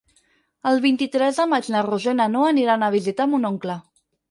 El vint-i-tres de maig na Rosó i na Noa aniran a visitar mon oncle.